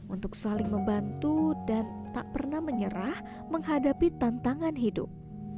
untuk saling membantu dan tak pernah menyerah menghadapi tantangan hidup